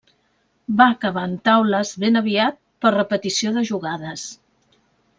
Va acabar en taules ben aviat per repetició de jugades.